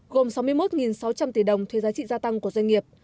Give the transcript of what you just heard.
gồm sáu mươi một sáu trăm linh tỷ đồng thuế giá trị gia tăng của doanh nghiệp